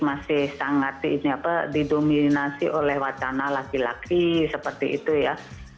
masih sangat didominasi oleh wacana laki laki seperti itu ya